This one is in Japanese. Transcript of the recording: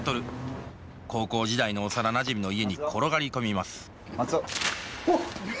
高校時代の幼なじみの家に転がり込みますうわっ！